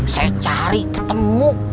saya cari ketemu